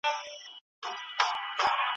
څرنګه به ستر خالق ما د بل په تور نیسي